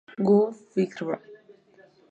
Go, Fighting!